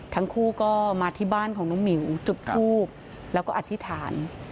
ทั้งคู่ก็มาที่บ้านของน้องหมิวจุดทูบแล้วก็อธิษฐาน